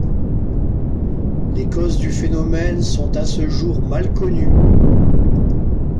Les causes du phénomène sont à ce jour mal connues.